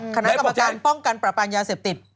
คณะกรรมการป้องกันประปามยาเสพติด